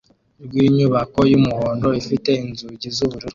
rwinyubako yumuhondo ifite inzugi zubururu